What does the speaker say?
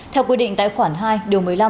theo quy định tại khoản hai điều một mươi năm